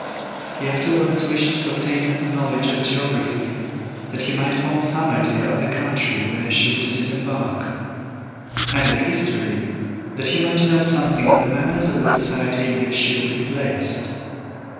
He afterwards wished to obtain a knowledge of geography, that he might form some idea of the country where she would disembark; and of history, that he might know something of the manners of the society in which she would be placed.